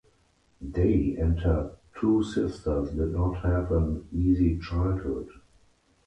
Day and her two sisters did not have an easy childhood.